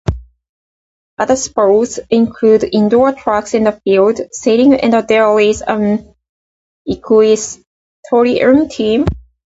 Other sports include indoor track and field, sailing, and there is an equestrian team.